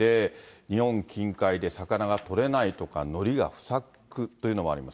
日本近海で魚が取れないとか、のりが不作というのもあります。